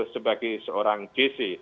sebagai seorang jc